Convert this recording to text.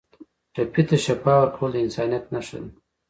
ټپي ته شفا ورکول د انسانیت نښه ده.